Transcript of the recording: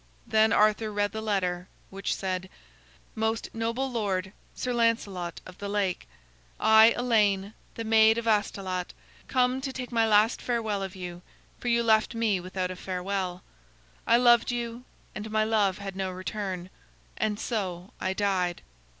Then Arthur read the letter, which said: "Most noble lord, Sir Lancelot of the Lake: I, Elaine, the maid of Astolat, come to take my last farewell of you, for you left me without a farewell. I loved you, and my love had no return, and so I died."